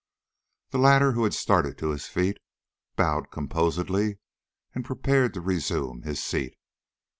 The latter, who had started to his feet, bowed composedly and prepared to resume his seat.